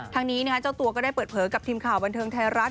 ทางนี้เจ้าตัวก็ได้เปิดเผยกับทีมข่าวบันเทิงไทยรัฐ